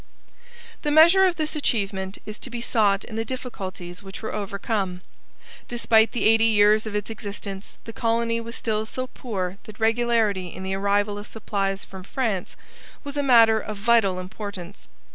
The measure of this achievement is to be sought in the difficulties which were overcome. Despite the eighty years of its existence the colony was still so poor that regularity in the arrival of supplies from France was a matter of vital importance.